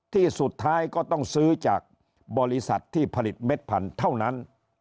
ที่สุดท้ายก็ต้องซื้อจากบริษัทที่ผลิตเม็ดพันธุ์เท่านั้น